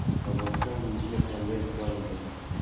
په افغانستان کې د انجونو ښوونځې پرانځئ.